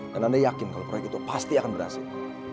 dan anda yakin kalau proyek itu pasti akan berhasil